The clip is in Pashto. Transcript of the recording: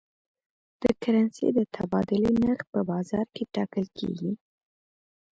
د کرنسۍ د تبادلې نرخ په بازار کې ټاکل کېږي.